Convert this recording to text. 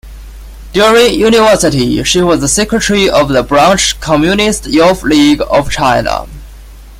During university, she was secretary of the branch Communist Youth League of China.